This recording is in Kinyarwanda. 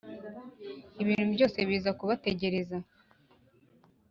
ibintu byose biza kubategereza